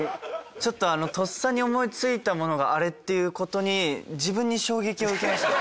ちょっととっさに思いついたものがあれっていう事に自分に衝撃を受けました。